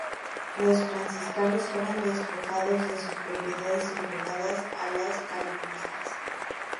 Los franciscanos fueron despojados de sus propiedades y entregadas a las calvinistas.